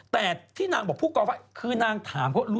แต่ที่นางบอกผู้กองฟ้าย